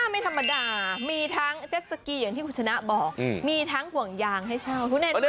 ไม่ธรรมดามีทั้งเจ็ดสกีอย่างที่คุณชนะบอกมีทั้งห่วงยางให้เช่า